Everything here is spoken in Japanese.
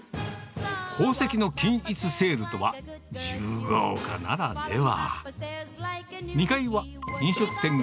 宝石の均一セールとは、自由が丘ならでは。